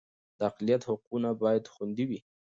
د اقلیت حقونه باید خوندي وي